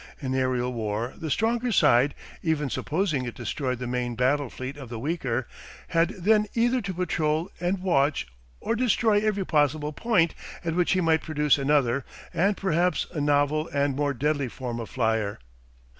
In aerial war the stronger side, even supposing it destroyed the main battle fleet of the weaker, had then either to patrol and watch or destroy every possible point at which he might produce another and perhaps a novel and more deadly form of flyer.